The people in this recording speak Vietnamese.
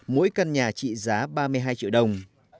mỗi căn nhà trị giá ba mươi hai triệu đồng